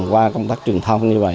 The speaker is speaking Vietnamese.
qua công tác truyền thông như vậy